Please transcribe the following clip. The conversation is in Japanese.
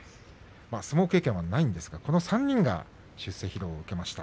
相撲経験はないんですがこの３人が出世披露を受けました。